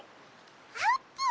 あーぷん！